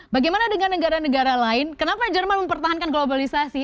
bagaimana dengan negara negara lain kenapa jerman mempertahankan globalisasi